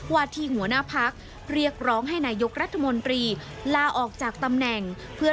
ว่าที่หัวหน้าพักเรียกร้องให้นายกรัฐมนตรีลาออกจากตำแหน่งเพื่อ